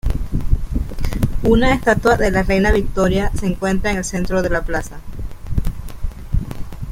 Una estatua de la reina Victoria se encuentra en el centro de la plaza.